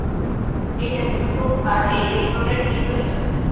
এই স্টেথোস্কোপ আর এই এপ্রোনের কী প্রয়োজন?